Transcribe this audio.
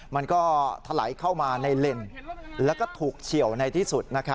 มันก็ถลายเข้ามาในเลนแล้วก็ถูกเฉียวในที่สุด